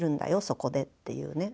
そこで」っていうね